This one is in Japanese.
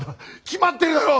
決まってるだろ！